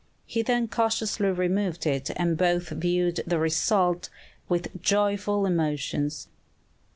He then cautiously removed it, and both viewed the result with joyful emotions.